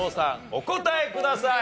お答えください。